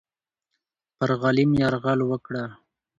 پر غلیم یرغل وکړه.